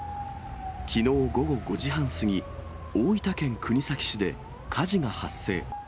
きのう午後５時半過ぎ、大分県国東市で火事が発生。